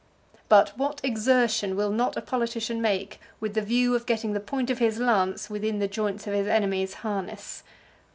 But what exertion will not a politician make with the view of getting the point of his lance within the joints of his enemies' harness?